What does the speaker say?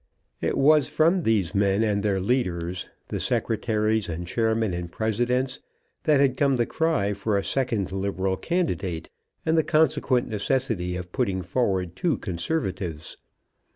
It was from these men and their leaders, the secretaries and chairmen and presidents, that had come the cry for a second liberal candidate, and the consequent necessity of putting forward two Conservatives.